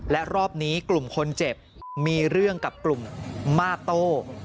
และรอบนี้กลุ่มคนเจ็บมีเรื่องกับกลุ่มมาโต้